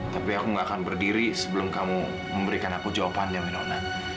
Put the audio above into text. tapi aku gak akan berdiri sebelum kamu memberikan aku jawabannya minona